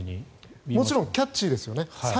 もちろんキャッチーですよね。